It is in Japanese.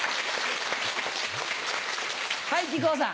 はい木久扇さん。